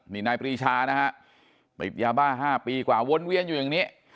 นี่นายปรีชานะฮะติดยาบ้า๕ปีกว่าวนเวียนอยู่อย่างนี้